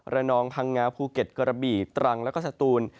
นองพังงาภูเก็ตกระบี่ตรังแล้วก็สตูน